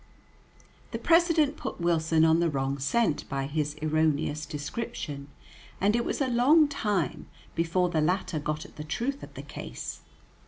The President put Wilson on the wrong scent by his erroneous description, and it was a long time before the latter got at the truth of the case.